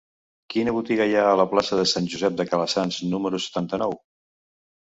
Quina botiga hi ha a la plaça de Sant Josep de Calassanç número setanta-nou?